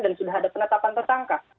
dan sudah ada penetapan tersangka